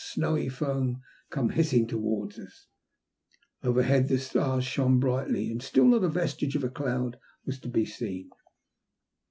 195 snowy foam, come hissing towards us. Overhead the stars shone brightly, and still not a vestige of a cloud was to be seen.